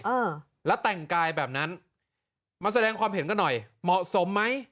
เออแล้วแต่งกายแบบนั้นมาแสดงความเห็นกันหน่อยเหมาะสมไหม